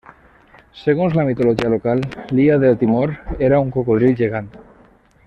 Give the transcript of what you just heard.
Segons la mitologia local, l'illa de Timor era un cocodril gegant.